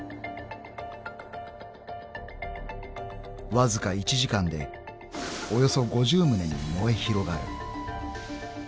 ［わずか１時間でおよそ５０棟に燃え広がる］